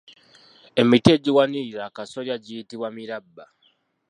Emiti egiwanirira akasolya giyitibwa Mirabba.